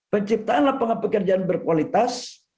penciptaan lapangan pekerjaan berkualitas